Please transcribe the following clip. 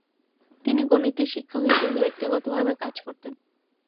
তিনি গণিতের শিক্ষক হিসেবে ব্যক্তিগতভাবে কাজ করতেন।